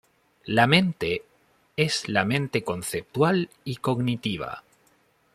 La mente es la mente conceptual y cognitiva.